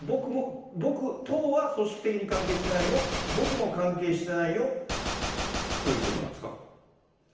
党は組織的に関係してないよ、僕も関係してないよということなんですか。